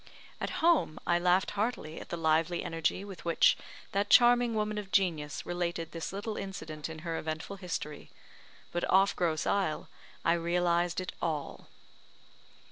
At home, I laughed heartily at the lively energy with which that charming woman of genius related this little incident in her eventful history but off Grosse Isle, I realised it all.